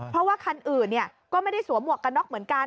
เพราะว่าคันอื่นก็ไม่ได้สวมหวกกันน็อกเหมือนกัน